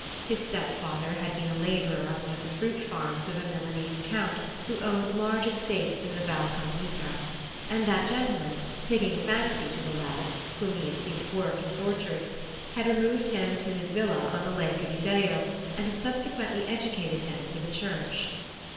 His step father had been a laborer on one of the fruit farms of a Milanese count who owned large estates in the Val Camonica; and that gentleman, taking a fancy to the lad, whom he had seen at work in his orchards, had removed him to his villa on the lake of Iseo and had subsequently educated him for the Church.